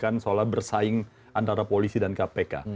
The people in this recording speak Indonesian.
kita bukan masalah bersaing antara polri dan kpk